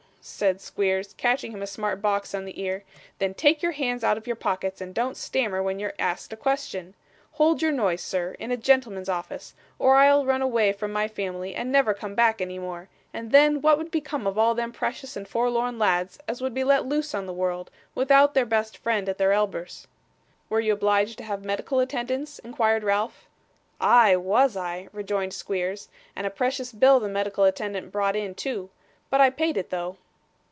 said Squeers, catching him a smart box on the ear. 'Then take your hands out of your pockets, and don't stammer when you're asked a question. Hold your noise, sir, in a gentleman's office, or I'll run away from my family and never come back any more; and then what would become of all them precious and forlorn lads as would be let loose on the world, without their best friend at their elbers?' 'Were you obliged to have medical attendance?' inquired Ralph. 'Ay, was I,' rejoined Squeers, 'and a precious bill the medical attendant brought in too; but I paid it though.